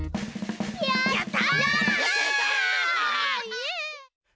やった！